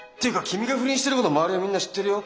君が不倫してること周りのみんな知ってるよ。